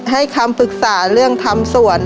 ให้คำปรึกษาเรื่องทำส่วน